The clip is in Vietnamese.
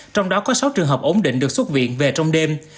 trong đó có sáu trường hợp ổn định được xuất viện về trong đêm